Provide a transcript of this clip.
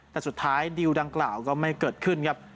แต่สุดท้ายดิวดังกล่าวก็ไม่เกิดขึ้นครับ